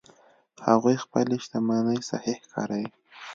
هغوی خپلې شتمنۍ صحیح کاروي